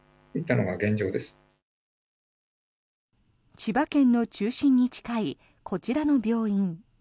千葉県の中心に近いこちらの病院。